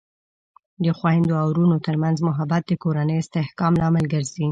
د خویندو او ورونو ترمنځ محبت د کورنۍ د استحکام لامل ګرځي.